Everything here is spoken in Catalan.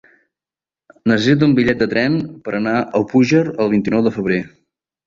Necessito un bitllet de tren per anar a Búger el vint-i-nou de febrer.